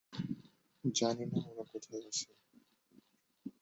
জানি না ওরা কোথায় আছে!